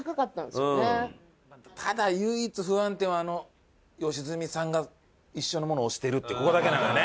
ただ唯一不安点は良純さんが一緒のもの推してるってここだけなのよね。